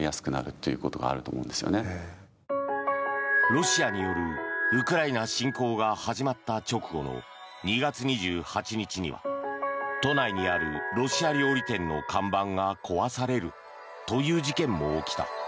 ロシアによるウクライナ侵攻が始まった直後の２月２８日には都内にあるロシア料理店の看板が壊されるという事件も起きた。